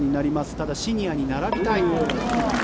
ただ、シニアに並びたい。